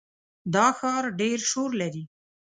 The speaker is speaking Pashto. دا ښار ډېر شور لري.